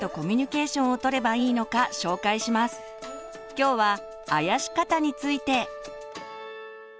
今日は「あやし方」について。